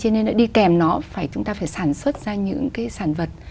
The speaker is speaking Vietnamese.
cho nên đi kèm nó chúng ta phải sản xuất ra những cái sản vật